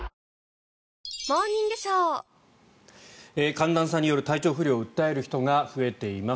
寒暖差による体調不良を訴える人が増えています。